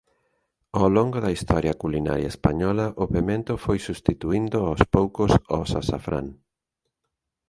Ao longo da historia culinaria española o pemento foi substituíndo aos poucos ao sasafrán.